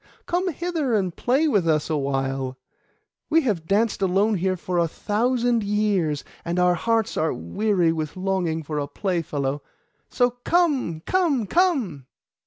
Come hither and play with us awhile; we have danced alone here for a thousand years, and our hearts are weary with longing for a playfellow. So come, come, come!